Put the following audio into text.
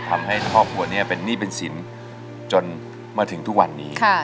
ทำให้ครอบครัวนี้เป็นหนี้เป็นสินจนมาถึงทุกวันนี้